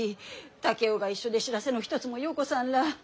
竹雄が一緒で知らせの一つもよこさんらあ